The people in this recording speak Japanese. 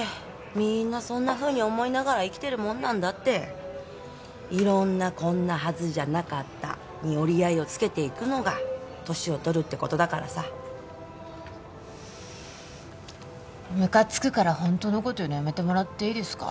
みんなそんなふうに思いながら生きてるもんなんだって色んな「こんなはずじゃなかった」に折り合いをつけていくのが年を取るってことだからさムカつくからホントのこと言うのやめてもらっていいですか？